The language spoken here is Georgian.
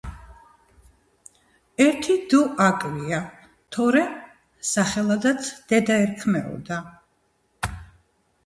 ერთი დ აკლია, თორემ სახელადაც დედა ერქმეოდა.